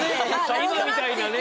今みたいなね